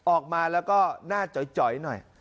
ออกมาแล้วก็หน้าจอยหน่อย